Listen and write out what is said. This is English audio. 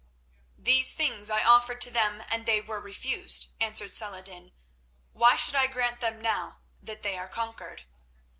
"These things I offered to them, and they were refused," answered Saladin. "Why should I grant them now that they are conquered?"